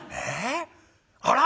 あら？